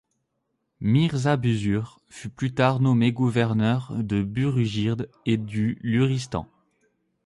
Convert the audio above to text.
Mírzá Buzurg fut plus tard nommé gouverneur de Burújird et du Luristán.